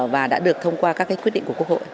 và đã được thông qua các quyết định của quốc hội